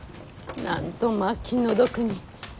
なんとまあ気の毒に。